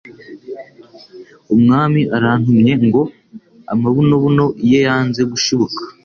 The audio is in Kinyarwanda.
Umwami arantumye ngo amabunobuno ye yanze gushibuka